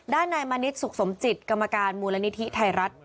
ด้านในมณิสุขสมจิตกรรมการมูลนิธิไทยรัฐ